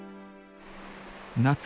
夏。